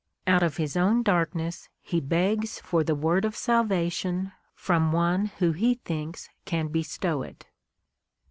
Out of his own darkness he begs for the word of salvation from one who he thinks can bestow it.